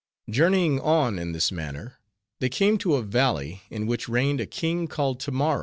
Journeying on in this manner, they came to a valley, in which reigned a king called Tammaro.